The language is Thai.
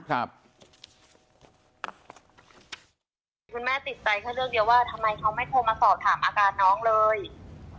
คุณแม่ติดใจแค่เรื่องเดียวว่าทำไมเขาไม่โทรมาสอบถามอาการน้องเลย